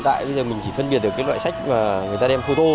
hiện tại mình chỉ phân biệt được loại sách mà người ta đem khu tô